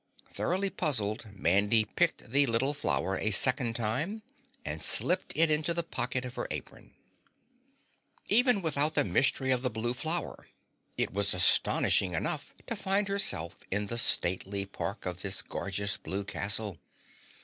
Thoroughly puzzled, Mandy picked the little flower a second time and slipped it into the pocket of her apron. Even without the mystery of the blue flower it was astonishing enough to find herself in the stately park of this gorgeous blue castle.